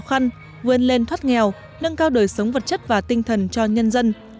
khăn vươn lên thoát nghèo nâng cao đổi sống vật chất và tinh thần cho nhân dân